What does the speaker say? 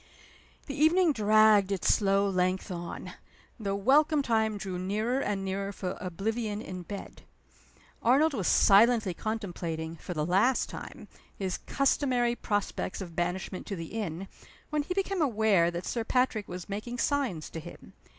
The evening dragged its slow length on; the welcome time drew nearer and nearer for oblivion in bed. Arnold was silently contemplating, for the last time, his customary prospects of banishment to the inn, when he became aware that Sir Patrick was making signs to him.